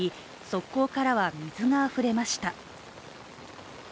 側溝からは水があふれました。